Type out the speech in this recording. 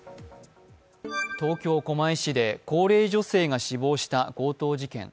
東京・狛江市で高齢女性が死亡した強盗事件。